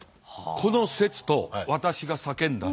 この説と私が叫んだ説。